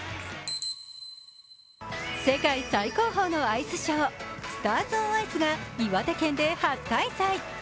世界最高峰のアイスショー「スターズ・オン・アイス」が岩手県で初開催。